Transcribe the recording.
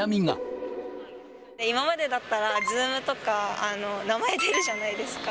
今までだったら、Ｚｏｏｍとか、名前出るじゃないですか。